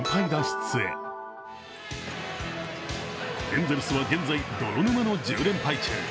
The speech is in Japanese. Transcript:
エンゼルスは現在泥沼の１０連敗中。